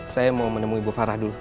saya mau menemui bu farah dulu